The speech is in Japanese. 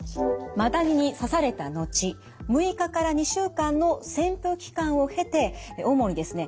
マダニに刺されたのち６日２週間の潜伏期間を経て主にですね